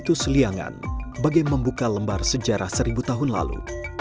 situs liangan bagai membuka lembar sejarah seribu tahun lalu